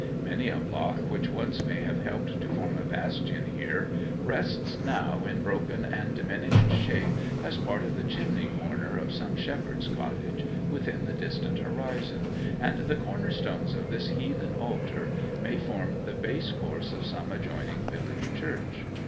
Many a block which once may have helped to form a bastion here rests now in broken and diminished shape as part of the chimney corner of some shepherd's cottage within the distant horizon, and the corner stones of this heathen altar may form the base course of some adjoining village church.